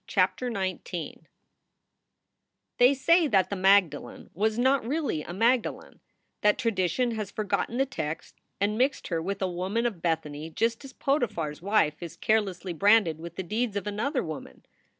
CHAPTER XIX r "PHEY say that the Magdalen was not really a magdalen 1 that tradition has forgotten the text and mixed her with a woman of Bethany just as Potiphar s wife is care lessly branded with the deeds of another woman.